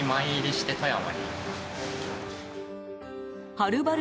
はるばる